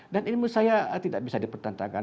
dan ini menurut saya tidak bisa dipertentangkan